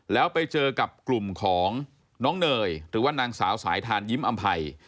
แล้วไปเจอกับกลุ่มของน้องเนยหรือว่านางสาวสายทานยิ้มอำภัย